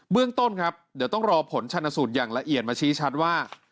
เรื่องต้นครับเดี๋ยวต้องรอผลชนสูตรอย่างละเอียดมาชี้ชัดว่า